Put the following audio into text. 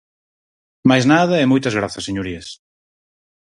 Máis nada e moitas grazas, señorías.